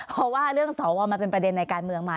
เพราะว่าเรื่องสวมันเป็นประเด็นในการเมืองมา